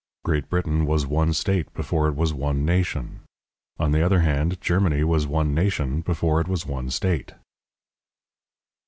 Great Britain was one state before it was one nation; on the other hand, Germany was one nation before it was one state.